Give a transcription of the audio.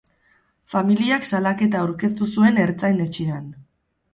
Familiak salaketa aurkeztu zuen ertzain-etxean.